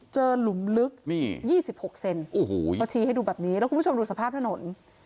เจอหลุมลึกนี่ยี่สิบหกเซนโอ้โหเขาชี้ให้ดูแบบนี้แล้วคุณผู้ชมดูสภาพถนน